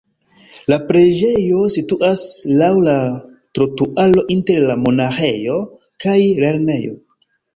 La preĝejo situas laŭ la trotuaro inter la monaĥejo kaj lernejo.